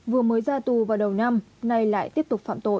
vừa mới ra tù vào đầu năm nay lại tiếp tục phạm tội